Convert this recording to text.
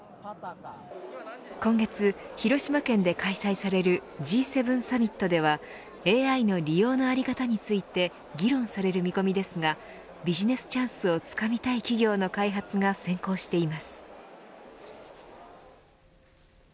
今月、広島県で開催されるＧ７サミットではＡＩの利用の在り方について議論される見込みですがビジネスチャンスをつかみたい企業の開発が先行しています。